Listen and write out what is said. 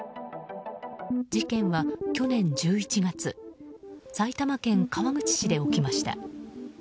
事件は、去年１１月埼玉県川口市で起きました。